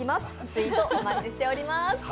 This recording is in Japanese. ツイート、お待ちしております。